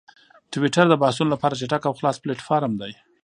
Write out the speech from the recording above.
ټویټر د بحثونو لپاره چټک او خلاص پلیټفارم دی.